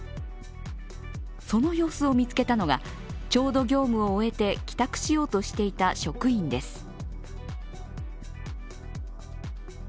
その様子を見つけたのがちょうど業務を終えて帰宅しようとしていた職員です。